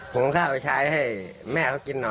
ป้องบอกว่าจะได้เก็บ่อนิ่ม